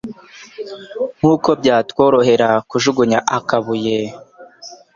nk'uko byatworohera kujugunya akabuye: